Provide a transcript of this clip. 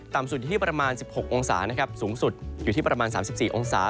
สุดอยู่ที่ประมาณ๑๖องศานะครับสูงสุดอยู่ที่ประมาณ๓๔องศา